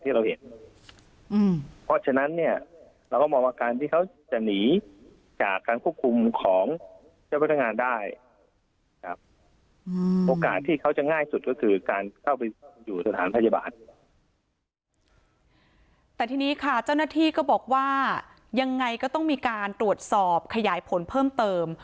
แต่ทีนี้ค่ะเจ้าหน้าที่ก็บอกว่ายังไงก็ต้องมีการตรวจสอบขยายผลเพิ่มเติม